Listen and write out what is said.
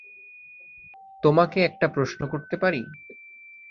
তোমাকে একটা প্রশ্ন করতে পারি?